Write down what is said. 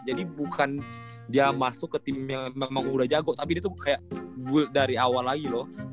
jadi bukan dia masuk ke tim yang emang udah jago tapi dia tuh kayak guild dari awal lagi loh